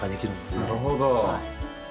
なるほど。